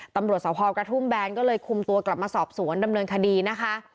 ตำรวจสภกระทุ่มแบนก็เลยคุมตัวกลับมาสอบสวนดำเนินคดีนะคะ